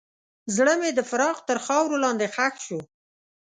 زړه مې د فراق تر خاورو لاندې ښخ شو.